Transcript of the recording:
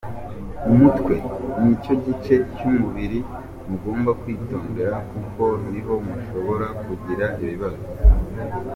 Umutwe nicyo gice cy’umubiri mugomba kwitondera kuko niho mushobora kugira ibibazo.